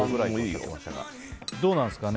どうなんですかね。